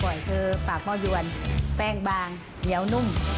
คือปากหม้อยวนแป้งบางเหนียวนุ่ม